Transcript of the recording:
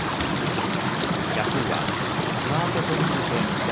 ヤフーはスマートフォン向け